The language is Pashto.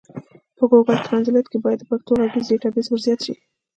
په ګوګل ټرانزلېټ کي بايد د پښتو ږغيز ډيټابيس ورزيات سي.